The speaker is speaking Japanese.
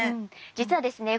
実はですね